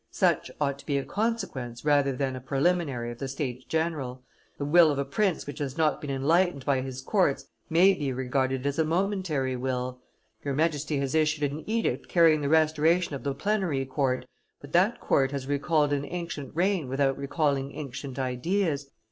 Such ought to be a consequence rather than a preliminary of the States general; the will of a prince which has not been enlightened by his courts may be regarded as a momentary will. Your Majesty has issued an edict carrying the restoration of the plenary court, but that court has recalled an ancient reign without recalling ancient ideas.